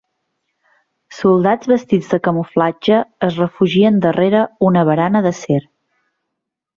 Soldats vestits de camuflatge es refugien darrere una barana d'acer.